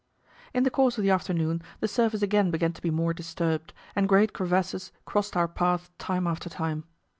In the course of the afternoon the surface again began to be more disturbed, and great crevasses crossed our path time after time.